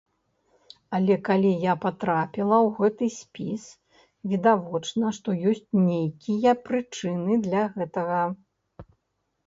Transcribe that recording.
Але калі я патрапіла ў гэты спіс, відавочна, што ёсць нейкія прычыны для гэтага.